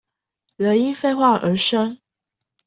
人因廢話而生